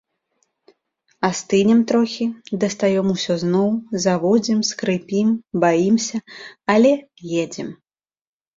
Астынем трохі, дастаём ўсё зноў, заводзім, скрыпім, баімся, але едзем.